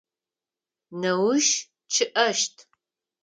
Неущ чъыӏэщт.